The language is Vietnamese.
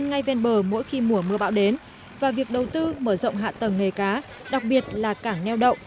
ngay ven bờ mỗi khi mùa mưa bão đến và việc đầu tư mở rộng hạ tầng nghề cá đặc biệt là cảng neo đậu